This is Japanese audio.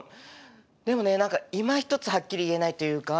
でもね何かいまひとつはっきり言えないというか。